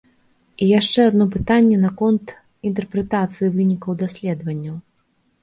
І яшчэ адно пытанне наконт інтэрпрэтацыі вынікаў даследаванняў.